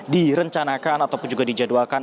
direncanakan ataupun juga dijadwalkan